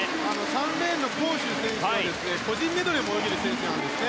３レーンのコーシュ選手は個人メドレーも泳げる選手です。